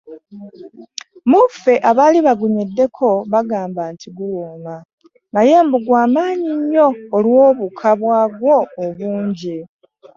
Muffe, abaali bagunyweddeko bagamba nti guwooma, naye mbu gwa maanyi nnyo olw'obuka bwagwo obungi.